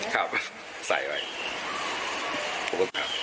จุดแถวให้เป็นผู้ใดเนอะ